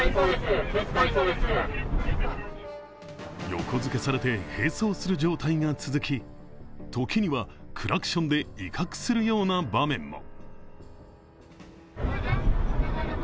横づけされて、並走される状態が続き、時にはクラクションで威嚇するような場面も。